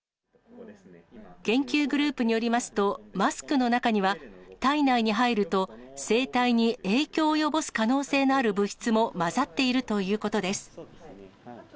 研究グループによりますと、マスクの中には、体内に入ると、生態に影響を及ぼす可能性がある物質も混ざっているということです。